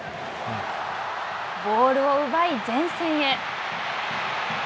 ボールを奪い前線へ。